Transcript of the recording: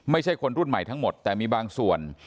ไม่ใช่คนรุ่นใหม่ทั้งหมดแต่มีบางส่วน